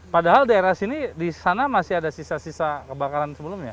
padahal daerah sini di sana masih ada sisa sisa kebakaran sebelumnya